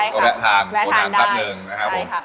กว่าระทานอุณหาฯกลับหนึ่งหรือแบบตำตำ๒๐๑๑